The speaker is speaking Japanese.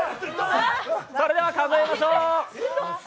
それでは数えましょう！